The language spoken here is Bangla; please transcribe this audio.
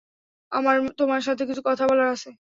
আমার তোমার সাথে কিছু কথা বলার আছে।